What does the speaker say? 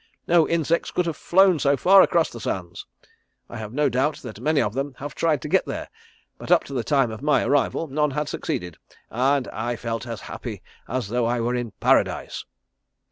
No insects could have flown so far across the sands. I have no doubt that many of them have tried to get there, but up to the time of my arrival none had succeeded, and I felt as happy as though I were in Paradise.